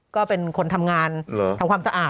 ก็เป็นคนทำงานทำความสะอาด